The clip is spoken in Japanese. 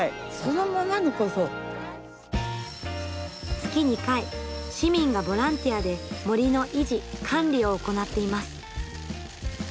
月２回市民がボランティアで森の維持・管理を行っています。